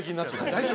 大丈夫？